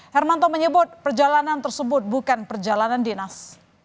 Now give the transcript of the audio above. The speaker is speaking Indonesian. hermanto menyebut perjalanan tersebut bukan perjalanan dinas